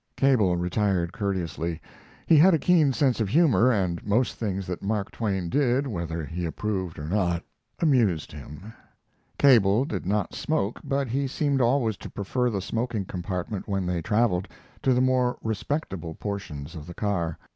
Cable retired courteously. He had a keen sense of humor, and most things that Mark Twain did, whether he approved or not, amused him. Cable did not smoke, but he seemed always to prefer the smoking compartment when they traveled, to the more respectable portions of the car.